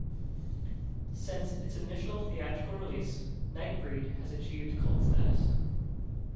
Since its initial theatrical release, "Nightbreed" has achieved cult status.